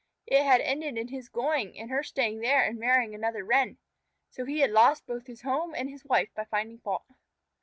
It had ended in his going, and her staying there and marrying another Wren. So he had lost both his home and his wife by finding fault.